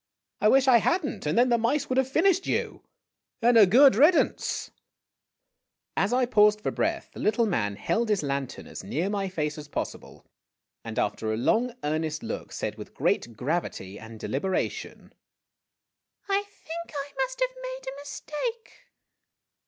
I wish I had n't, and then the mice would have finished you and a ^oocl riddance !' J o> As I paused for breath the little man held his lantern as near my face as possible, and after a long, earnest look, said with great gravity and deliberation :" I think 1 must have made a mistake